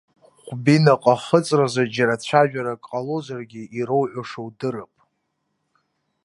Ҟәбинаҟа ахыҵразы џьара цәажәарак ҟалозаргьы, ироуҳәаша удырп!